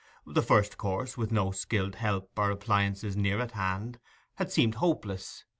The first course, with no skilled help or appliances near at hand, had seemed hopeless.